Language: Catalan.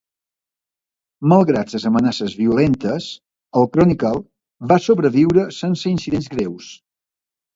Malgrat les amenaces violentes, el Chronicle va sobreviure sense incidents greus.